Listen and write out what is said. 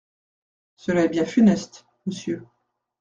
Cela est bien funeste, monsieur.